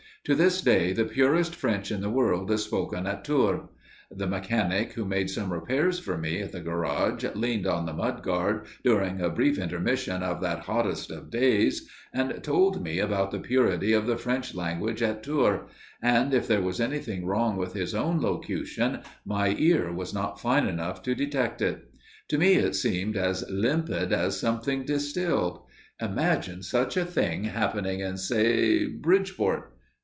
To this day, the purest French in the world is spoken at Tours. The mechanic who made some repairs for me at the garage leaned on the mud guard, during a brief intermission of that hottest of days, and told me about the purity of the French language at Tours; and if there was anything wrong with his own locution, my ear was not fine enough to detect it. To me it seemed as limpid as something distilled. Imagine such a thing happening in say Bridgeport.